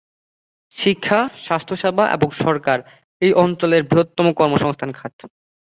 শিক্ষা, স্বাস্থ্যসেবা এবং সরকার এই অঞ্চলের বৃহত্তম কর্মসংস্থান খাত।